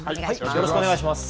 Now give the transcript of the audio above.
よろしくお願いします。